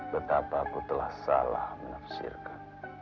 betapa aku telah salah menafsirkan